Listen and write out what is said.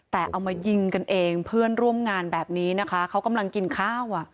แต่เอามายิงกันเองเพื่อนร่วมงานแบบนี้นะคะเขากำลังกินข้าวอ่ะ